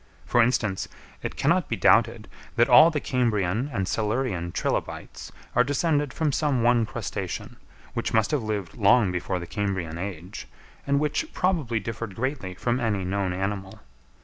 For instance, it cannot be doubted that all the Cambrian and Silurian trilobites are descended from some one crustacean, which must have lived long before the Cambrian age, and which probably differed greatly from any known animal.